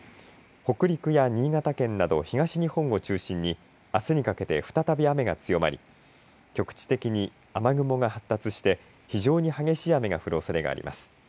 北陸や新潟県など東日本を中心にあすにかけて再び雨が強まり局地的に雨雲が発達して非常に激しい雨が降るおそれあります。